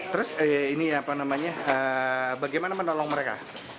terus bagaimana menolong mereka